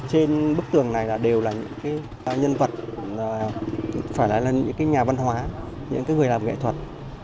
trên bức tường này đều là những nhân vật phải là những nhà văn hóa những người làm nghệ thuật